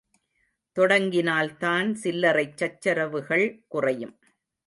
தொடங்கினால் தான் சில்லறைச் சச்சரவுகள் குறையும்.